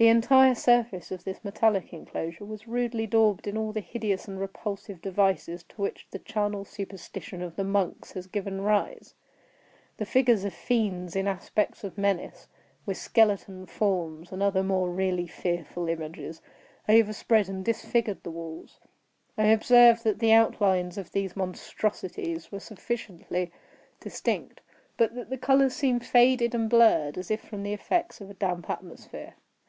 The entire surface of this metallic enclosure was rudely daubed in all the hideous and repulsive devices to which the charnel superstition of the monks has given rise. The figures of fiends in aspects of menace, with skeleton forms, and other more really fearful images, overspread and disfigured the walls. I observed that the outlines of these monstrosities were sufficiently distinct, but that the colors seemed faded and blurred, as if from the effects of a damp atmosphere.